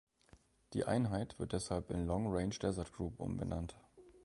Die Einheit wird deshalb in "Long Range Desert Group" umbenannt.